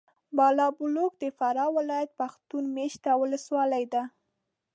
بالابلوک د فراه ولایت پښتون مېشته ولسوالي ده.